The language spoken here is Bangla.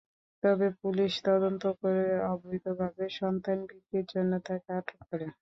পরে পুলিশ তদন্ত করে অবৈধভাবে সন্তান বিক্রির জন্য তাঁকে আটক করে।